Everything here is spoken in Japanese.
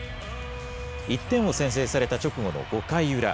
１点を先制された直後の５回裏。